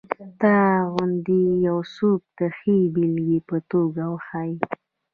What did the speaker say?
تا غوندې یو څوک د ښې بېلګې په توګه وښیي.